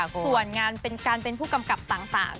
ส่วนงานเป็นการเป็นผู้กำกับต่าง